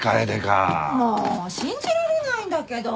もう信じられないんだけど！